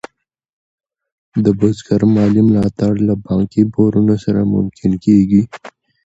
د بزګر مالي ملاتړ له بانکي پورونو سره ممکن کېږي.